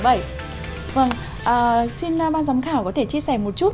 vâng xin ban giám khảo có thể chia sẻ một chút